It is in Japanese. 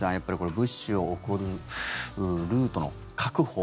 物資を送るルートの確保